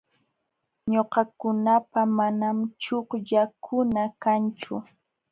Ñuqakunapa manam chuqllakuna kanchu.